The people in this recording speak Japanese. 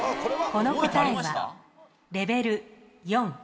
この答えはレベル４。